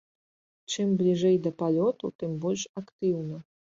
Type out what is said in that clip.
Чым бліжэй да палёту, тым больш актыўна.